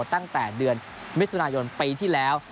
ตั้งแต่เดือนมิถุนายนปีที่แล้ว